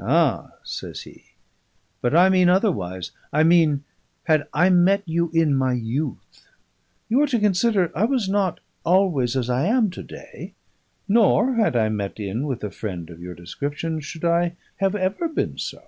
"Ah!" says he, "but I mean otherwise. I mean, had I met you in my youth. You are to consider I was not always as I am to day; nor (had I met in with a friend of your description) should I have ever been so."